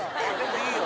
いいよ！